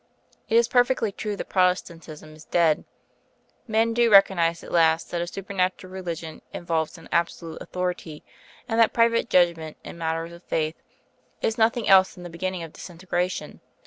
It is perfectly true that Protestantism is dead. Men do recognise at last that a supernatural Religion involves an absolute authority, and that Private Judgment in matters of faith is nothing else than the beginning of disintegration.